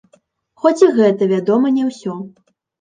Хоць і гэта, вядома, не ўсё.